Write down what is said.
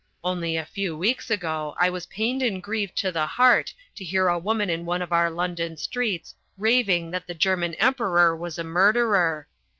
Only a few weeks ago I was pained and grieved to the heart to hear a woman in one of our London streets raving that the German Emperor was a murderer.